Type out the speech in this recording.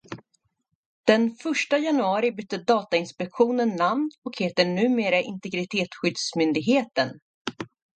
Den första januari bytte Datainspektionen namn och heter numera Integritetsskyddsmyndigheten.